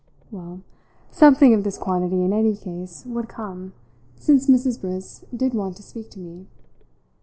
Well, something of this quantity, in any case, would come, since Mrs. Briss did want to speak to me.